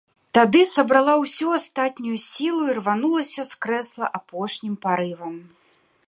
Тады сабрала ўсю астатнюю сілу і рванулася з крэсла апошнім парывам.